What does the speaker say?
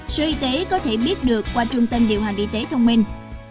sở y tế có thể biết được qua trung tâm điều hành y tế thông minh